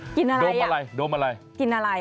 กินอะไรดมอะไร